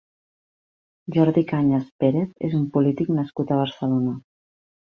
Jordi Cañas Pérez és un polític nascut a Barcelona.